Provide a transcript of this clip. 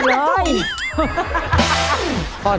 ข้อหนึ่งที่สุด